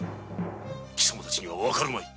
貴様たちにはわかるまい。